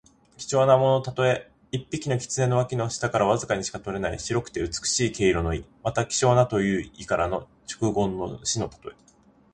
貴重なもののたとえ。一匹の狐の脇の下からわずかしか取れない白くて美しい毛皮の意。また、希少なという意から直言の士のたとえ。